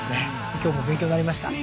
今日も勉強になりました。